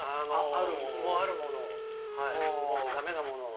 あるものをダメなものを。